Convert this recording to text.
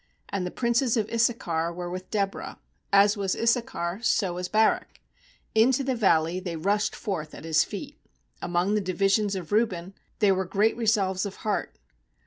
15And the princes of Issachar were with Deborah; As was Issachar, so was Barak; Into the valley they rushed forth at his feet. Among the divisions of Reuben There were great resolves of heart.